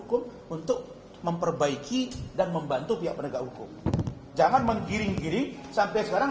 hukum untuk memperbaiki dan membantu pihak penegak hukum jangan menggiring giring sampai sekarang